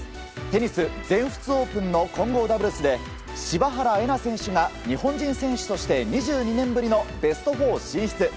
テニス全仏オープンの混合ダブルスで柴原瑛菜選手が日本人選手として２２年ぶりにベスト４進出。